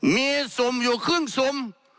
มีสุ่มอยู่ครึ่งสุ่ม